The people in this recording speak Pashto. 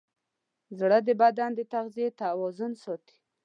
زړه د بدن د تغذیې توازن ساتي.